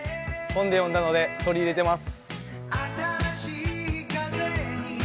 本で読んだので取り入れてます。